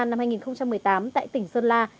năm hai nghìn một mươi tám tại tỉnh sơn la